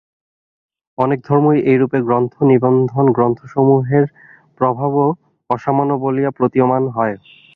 অনেক ধর্মই এইরূপ গ্রন্থে নিবন্ধ, গ্রন্থসমূহের প্রভাবও অসামান্য বলিয়া প্রতীয়মান হয়।